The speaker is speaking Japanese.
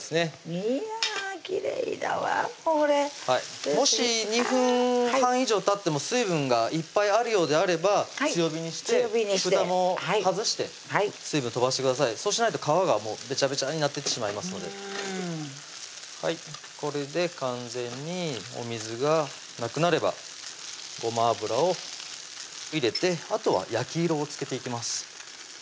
いやぁきれいだわこれもし２分半以上たっても水分がいっぱいあるようであれば強火にしてふたも外して水分飛ばしてくださいそうしないと皮がべちゃべちゃになってってしまいますのでこれで完全にお水がなくなればごま油を入れてあとは焼き色をつけていきます